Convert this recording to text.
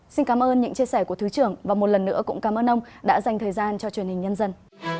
xin cảm ơn những chia sẻ của thứ trưởng và một lần nữa cũng cảm ơn ông đã dành thời gian cho truyền hình nhân dân